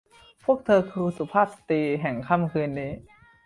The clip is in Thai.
พวกเธอคือสุภาพสตรีแห่งค่ำคืนนี้